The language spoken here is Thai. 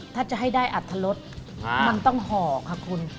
ถ้าจะให้ได้อัตรรสมันต้องห่อค่ะคุณ